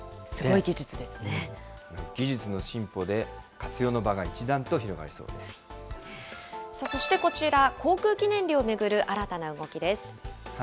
技術の進歩で、活用の場が一そしてこちら、航空機燃料を巡る新たな動きです。